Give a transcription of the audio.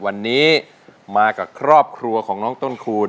วันนี้มากับครอบครัวของน้องต้นคูณ